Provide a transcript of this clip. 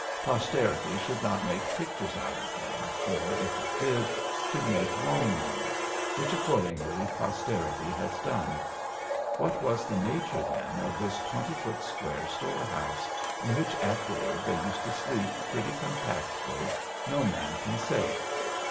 Posterity should not make pictures out of them, or, if it did, should make wrong ones; which accordingly, posterity has done. What was the nature, then, of this twenty foot square store house, in which, afterward, they used to sleep pretty compactly, no man can say.